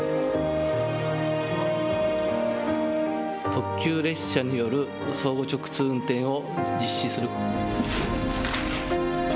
特急列車による相互直通運転を実施する。